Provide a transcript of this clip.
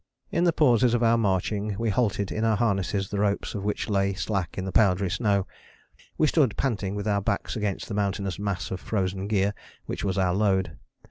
In the pauses of our marching we halted in our harnesses the ropes of which lay slack in the powdery snow. We stood panting with our backs against the mountainous mass of frozen gear which was our load.